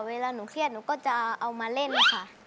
เวลาหนูเครียดหนูก็จะเอามาเล่นค่ะ